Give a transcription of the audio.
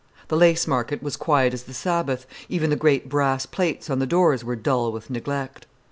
The Lace Market was quiet as the Sabbath: even the great brass plates on the doors were dull with neglect.